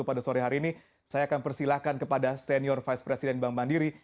pada sore hari ini saya akan persilahkan kepada senior vice president bank mandiri